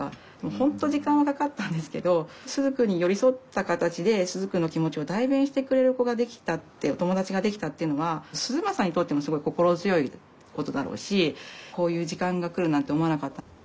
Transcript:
本当時間はかかったんですけどすずくんに寄り添った形ですずくんの気持ちを代弁してくれる子ができたってお友達ができたっていうのは涼将にとってもすごい心強いことだろうしこういう時間が来るなんて思わなかった。